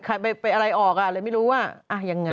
ใครไปอะไรออกอ่ะเลยไม่รู้ว่ายังไง